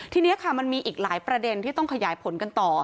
ทีนี้ค่ะมันมีอีกหลายประเด็นที่ต้องขยายผลกันต่อ